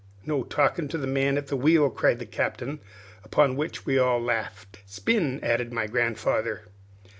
"No talking to the man at the wheel," cried the Captain. Upon which we all laughed. "Spin!" added my grandfather.